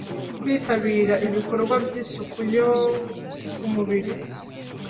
-kwitabira ibikorwa by’isuku yo ku mubiri,